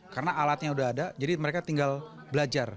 karena alatnya sudah ada jadi mereka tinggal belajar